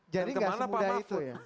jadi gak semudah itu ya